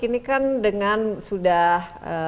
ini kan dengan sudah